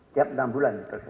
tiap enam bulan diperiksa